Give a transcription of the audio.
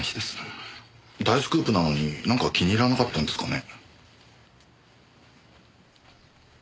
大スクープなのになんか気に入らなかったんですかね。